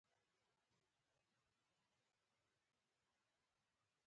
ایا زما ولاړه به ښه شي؟